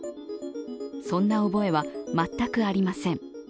そんな覚えは全くありません。